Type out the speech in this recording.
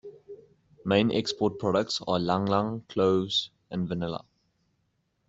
Main export products are Ylang Ylang, cloves and vanilla.